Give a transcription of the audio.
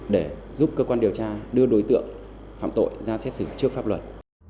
để giúp cơ quan điều tra đưa đối tượng phạm tội ra xét xử trước pháp luật